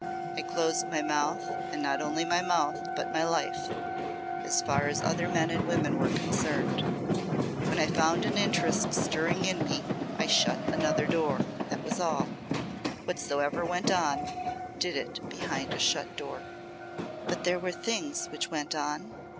I closed my mouth and not only my mouth but my life as far as other men and women were concerned. When I found an interest stirring in me I shut another door that was all. Whatsoever went on did it behind a shut door." "But there were things which went on?"